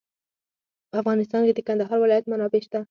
په افغانستان کې د کندهار ولایت منابع شته.